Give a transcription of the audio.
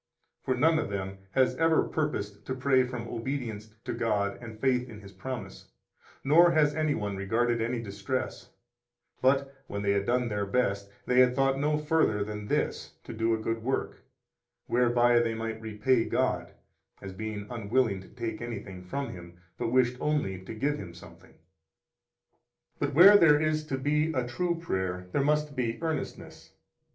For none of them has ever purposed to pray from obedience to God and faith in His promise, nor has any one regarded any distress, but (when they had done their best) they thought no further than this, to do a good work, whereby they might repay God, as being unwilling to take anything from Him, but wishing only to give Him something. 26 But where there is to be a true prayer, there must be earnestness.